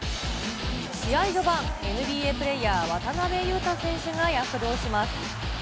試合序盤、ＮＢＡプレーヤー、渡邊雄太選手が躍動します。